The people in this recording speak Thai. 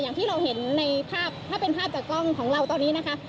อย่างที่เราเห็นในภาพถ้าเป็นภาพจากกล้องของเราตอนนี้นะคะ